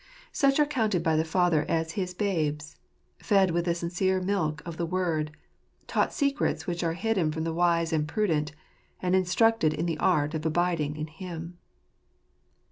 Such are counted by the Father as his babes ; fed with the sincere milk of the Word ; taught secrets which are hidden from the wise and prudent; and instructed in the art of abiding in Him.